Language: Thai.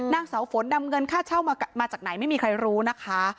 นางสาวฝนนำเงินค่าเช่ามาจากไหนไม่มีใครรู้นะคะ